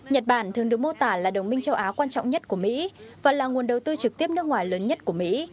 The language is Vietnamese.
nhật bản thường được mô tả là đồng minh châu á quan trọng nhất của mỹ và là nguồn đầu tư trực tiếp nước ngoài lớn nhất của mỹ